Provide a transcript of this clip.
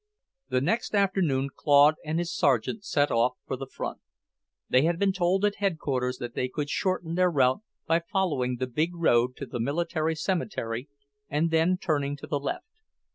The next afternoon Claude and his sergeant set off for the front. They had been told at Headquarters that they could shorten their route by following the big road to the military cemetery, and then turning to the left.